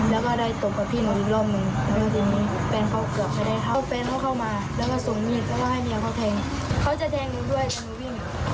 แล้วก็ขึ้นไป